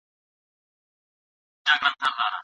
پيغمبر د ذمي وینه ارزښتناکه وبلله.